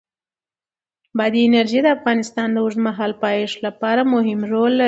بادي انرژي د افغانستان د اوږدمهاله پایښت لپاره مهم رول لري.